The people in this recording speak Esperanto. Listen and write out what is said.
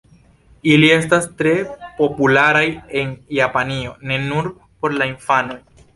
Ili estas tre popularaj en Japanio, ne nur por la infanoj.